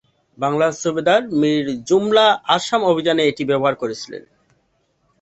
বাংলার সুবাদার মীর জুমলা আসাম অভিযানে এটি ব্যবহার করেছিলেন।